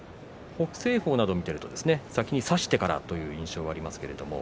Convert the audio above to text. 北青鵬などを見ていると先に差してからという印象があります。